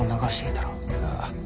ああ。